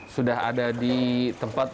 sudah ada di tempat